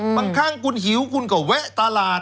บางครั้งคุณหิวคุณก็แวะตลาด